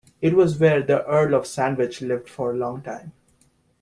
It was where the Earl of Sandwich lived for a long time.